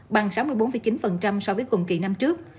bằng sáu mươi bốn chín so với cùng kỳ năm trước